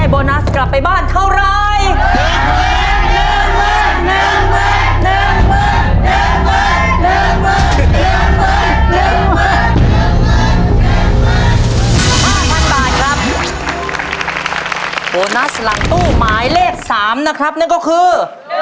๕๐๐๐บาทตู้หมายเลข๔นั่นก็คือ